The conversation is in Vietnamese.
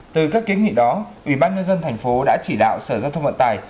từ các kiến nghị đó ủy ban nhân dân thành phố đã chỉ đạo sở giao thông vận tải